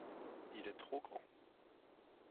Il est trop grand.